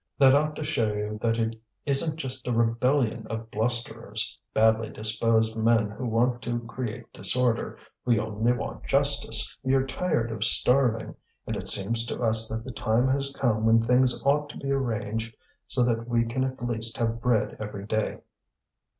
That ought to show you that it isn't just a rebellion of blusterers, badly disposed men who want to create disorder. We only want justice, we are tired of starving, and it seems to us that the time has come when things ought to be arranged so that we can at least have bread every day."